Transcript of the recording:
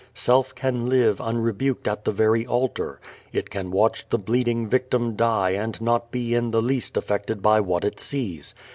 Self can live unrebuked at the very altar. It can watch the bleeding Victim die and not be in the least affected by what it sees.